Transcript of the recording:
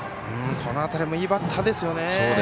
この辺りもいいバッターですね。